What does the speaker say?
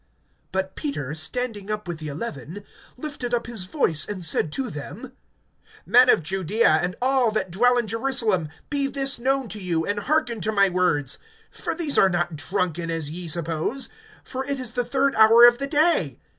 (14)But Peter, standing up with the eleven, lifted up his voice, and said to them: Men of Judaea, and all that dwell in Jerusalem, be this known to you, and hearken to my words. (15)For these are not drunken, as ye suppose, for it is the third hour of the day.